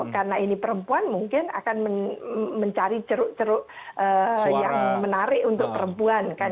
karena ini perempuan mungkin akan mencari ceruk ceruk yang menarik untuk perempuan